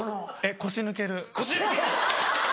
腰抜ける。